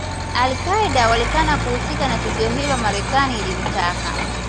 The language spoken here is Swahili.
Al Qaeda walikana kuhusika na tukio hilo Marekani ilimtaka